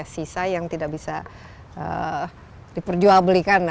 sisa yang tidak bisa diperjual belikan